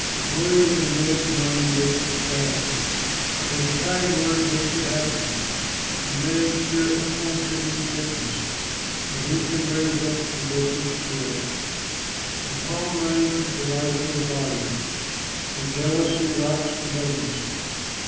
Worry in a man's mind makes it sad, But a kind word makes it happy. A man's spirit upholds him in sickness, But who can raise up a broken spirit? A calm mind is the life of the body, But jealousy rots the bones.